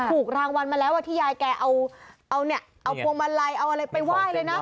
ถูกรางวัลมาแล้วที่ยายแกเอาเนี่ยเอาพวงมาลัยเอาอะไรไปไหว้เลยนะ